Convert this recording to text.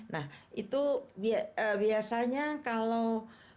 nah itu biasanya kalau